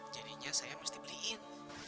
jadinya saya mesti beliin